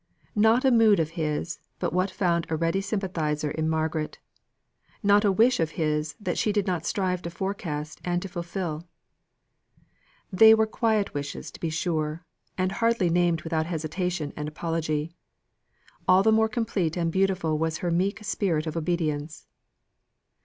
Not a mood of his but what found a ready sympathiser in Margaret; not a wish of his that she did not strive to forecast, and to fulfil. They were quiet wishes to be sure, and hardly named without hesitation and apology. All the more complete and beautiful was her meek spirit of obedience.